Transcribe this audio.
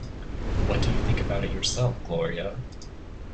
What do you think about it yourself, Gloria?